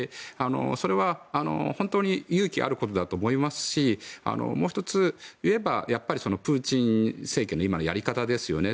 それは、本当に勇気あることだと思いますしもう１つ言えば、プーチン政権の今のやり方ですよね。